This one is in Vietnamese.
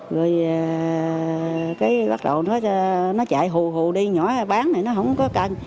rồi cái bắt đầu nó chạy hù hù đi nhỏ bán này nó không có cần